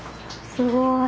すごい。